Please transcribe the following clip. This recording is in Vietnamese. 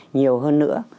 nhiều hơn nữa